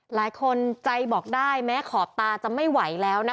หลายคนใจบอกได้แม้ขอบตาจะไม่ไหวแล้วนะคะ